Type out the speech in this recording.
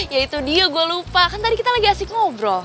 ya itu dia gue lupa kan tadi kita lagi asik ngobrol